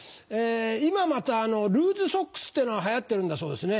今またルーズソックスってのが流行ってるんだそうですね。